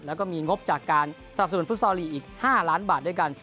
แล้วก็มีงบจากการสนับสนุนฟุตซอลลีกอีก๕ล้านบาทด้วยกัน